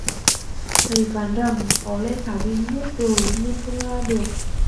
thầy phán rằng có lẽ thảo bị nhốt rồi nên không ra được